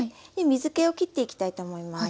水けをきっていきたいと思います。